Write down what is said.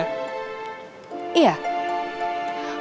mama juga gak suka